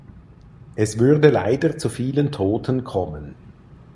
Es würde leider zu vielen Toten kommen.